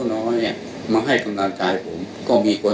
คือเราก็ต้องยอดทรัพย์ถ้าว่าทุกโรงการมีผลผิด